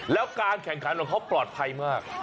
แล้วการแข่งขันของเขาปลอดภัยมาก